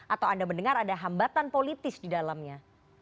atau anda mendengar ada hambatan politis di dalamnya